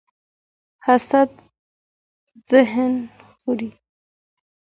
حسد ذهن خوري